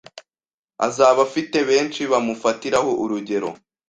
azaba afite benshi bamufatiraho urugero.